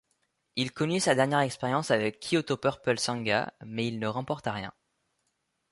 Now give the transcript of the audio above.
Il connut sa dernière expérience avec Kyoto Purple Sanga, mais il ne remporta rien.